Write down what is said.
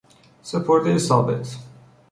سپردهی ثابت